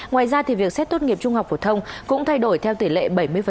ngoài ra thì việc xếp tốt nghiệp trung học phổ thông cũng thay đổi theo tỷ lệ bảy mươi